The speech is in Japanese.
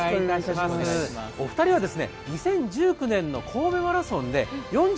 お二人は２０１９年の神戸マラソンで４２．１９５